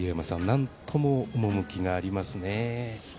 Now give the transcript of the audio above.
なんとも趣がありますね。